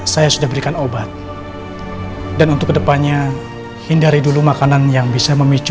saya sudah berikan obat dan untuk kedepannya hindari dulu makanan yang bisa memicu